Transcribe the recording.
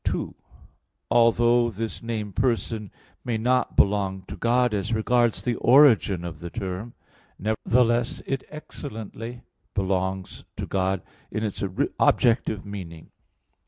2: Although this name "person" may not belong to God as regards the origin of the term, nevertheless it excellently belongs to God in its objective meaning.